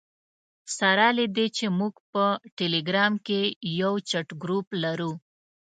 سره له دې چې موږ په ټلګرام کې یو چټ ګروپ لرو.